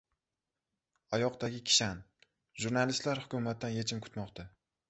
«Oyoqdagi kishan»: Jurnalistlar hukumatdan yechim kutmoqda